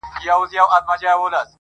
ورته نظمونه ليكم.